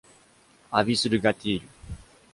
Aviso de gatilho